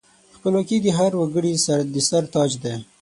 خپلواکي د هر وګړي د سر تاج دی.